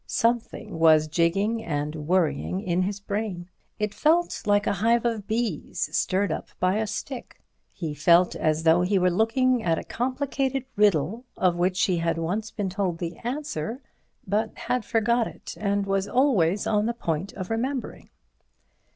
Something was jigging and worrying in his brain; it felt like a hive of bees, stirred up by a stick. He felt as though he were looking at a complicated riddle, of which he had once been told the answer but had forgotten it and was always on the point of remembering.